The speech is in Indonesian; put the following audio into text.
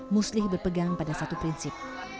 muslih berpegang pada satu prinsip